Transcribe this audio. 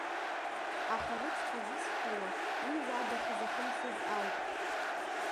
Аха рыцҳа зысҳәауа, уи уа дахьзахымсыз ауп.